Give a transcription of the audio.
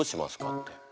って。